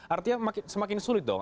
artinya semakin sulit dong